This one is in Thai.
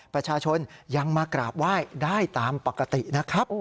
ประชาชนยังมากราบไหว้ได้ตามปกตินะครับ